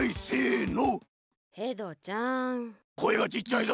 こえがちっちゃいぞ？